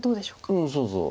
うんそうそう。